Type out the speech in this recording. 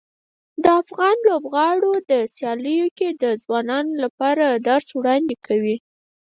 د افغان لوبغاړو په سیالیو کې د ځوانانو لپاره د درس وړاندې کوي.